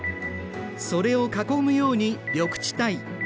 それを囲むように緑地帯。